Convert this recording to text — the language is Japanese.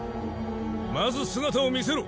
まず姿を見せろ。